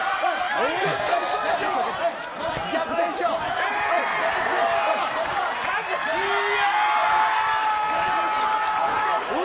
逆転しよう。